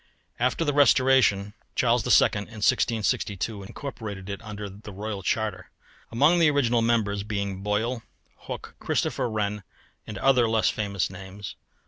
After the restoration, Charles II. in 1662 incorporated it under Royal Charter; among the original members being Boyle, Hooke, Christopher Wren, and other less famous names.